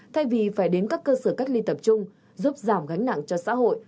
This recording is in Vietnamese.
thay vì phải đến các cơ sở cách ly tập trung giúp giảm gánh nặng cho xã hội